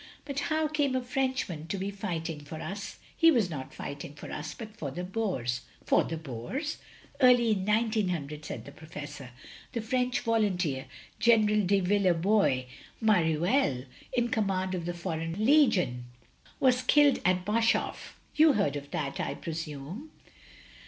But how came a Frenchman to be fighting for us?" " He was not fighting for us, but for the Boers. " "For the Boers!" "Early in 1900," said the Professor, "the French voltmteer. General de Villebois Mareuir in command of the foreign legion, was killed at Boshof. You heard of that, I presume?"